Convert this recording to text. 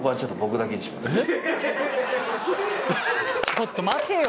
ちょっと待てよ。